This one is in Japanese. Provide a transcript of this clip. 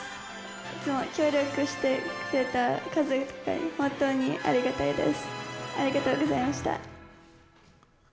いつも協力してくれた家族は、本当にありがたいです。